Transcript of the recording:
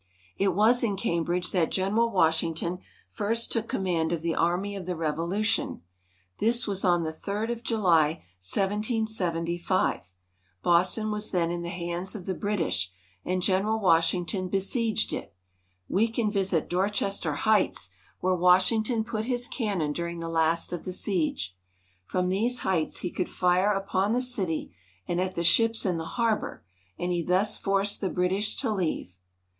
It was in Cam bridge that General Washington first took command of the army of the Rev This was on the 3d of July, 1775. Boston was then in the hands of the British, and General Washington besieged it. We can visit Dor chester Heights, where Wash \^ 1 ington put his cannon during the last of the siege. From these heights he could fire upon the city and at the ships in the harbor, and he thus forced the British to leave.